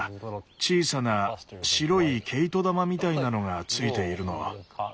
小さな白い毛糸玉みたいなのがついているの。